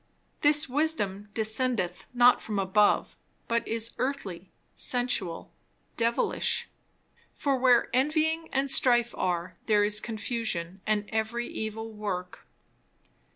This wisdom descendeth not from above, but is earthly, sensual, devilish. For where envying and strife are, there is confusion and every evil work."